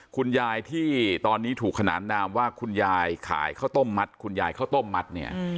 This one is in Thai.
คุณยายที่ตอนนี้ถูกขนานนามว่าคุณยายขายข้าวต้มมัดคุณยายข้าวต้มมัดเนี่ย